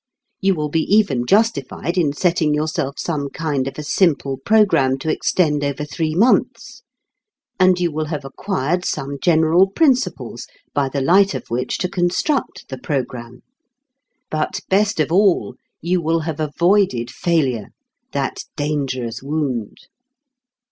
You will be even justified in setting yourself some kind of a simple programme to extend over three months. And you will have acquired some general principles by the light of which to construct the programme. But best of all, you will have avoided failure, that dangerous wound.